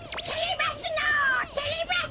てれます